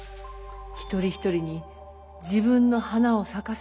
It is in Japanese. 一人一人に自分の花を咲かせてほしい。